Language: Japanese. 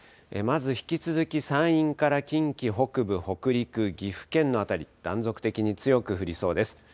まず引き続き山陰から近畿北部、北陸、岐阜県の辺り、断続的に強く降りそうです。